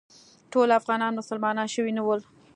ټول افغانان مسلمانان شوي نه ول.